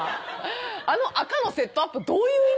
あの赤のセットアップどういう意味？